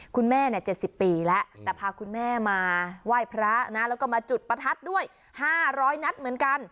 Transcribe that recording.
คุณแม่๗๐ปีแล้วแต่พาคุณแม่มาไหว้พระนะแล้วก็มาจุดประทัดด้วย๕๐๐นัดเหมือนกัน